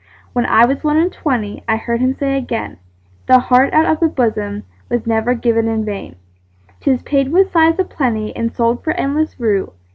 When I was one and twentyI heard him say again,'The heart out of the bosomWas never given in vain;'Tis paid with sighs a plentyAnd sold for endless rue.